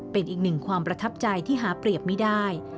เป็นอีกหนึ่งความประทับใจที่หาเปรียบไม่ได้